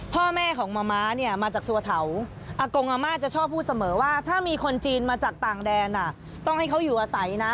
พ่อแม่ของมะม้าเนี่ยมาจากสัวเถาอากงอาม่าจะชอบพูดเสมอว่าถ้ามีคนจีนมาจากต่างแดนต้องให้เขาอยู่อาศัยนะ